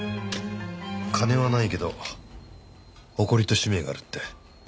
金はないけど誇りと使命があるって。